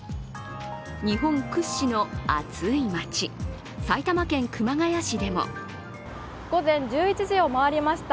日本屈指の暑い街、埼玉県熊谷市でも午前１１時を回りました。